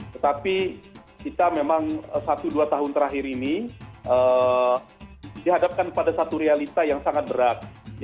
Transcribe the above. tetapi kita memang satu dua tahun terakhir ini dihadapkan pada satu realita yang sangat berat